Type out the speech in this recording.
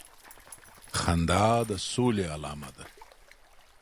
خندا د سولي علامه ده